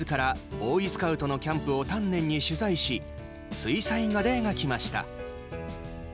ボーイスカウトのキャンプを丹念に取材し水彩画で描きました。